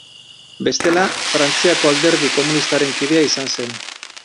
Bestela, Frantziako alderdi komunistaren kidea izan zen.